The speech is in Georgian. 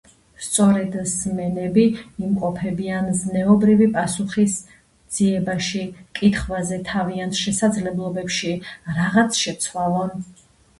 სწორედ სმენები იმყოფებიან ზნეობრივი პასუხის ძიებაში კითხვაზე თავიანთ შესაძლებლობებში რაღაც შეცვალონ